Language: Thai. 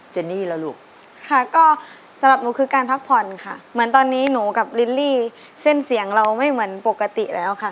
นี่แหละลูกค่ะก็สำหรับหนูคือการพักผ่อนค่ะเหมือนตอนนี้หนูกับลิลลี่เส้นเสียงเราไม่เหมือนปกติแล้วค่ะ